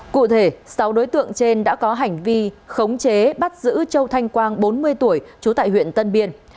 cụ thể sáu đối tượng trên đã có hành vi khống chế bắt giữ châu thanh quang bốn mươi tuổi trú tại huyện tân biên